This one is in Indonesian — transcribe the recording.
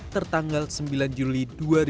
tertanggal sembilan juli dua ribu dua puluh